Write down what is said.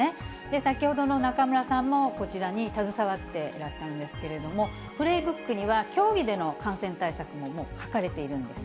先ほどの中村さんも、こちらに携わっていらっしゃるんですけれども、プレイブックには、競技での感染対策ももう書かれているんです。